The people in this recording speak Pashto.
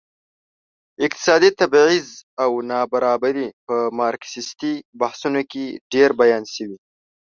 اقتصادي تبعيض او نابرابري په مارکسيستي بحثونو کې ډېر بیان شوي.